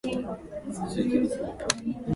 青森県つがる市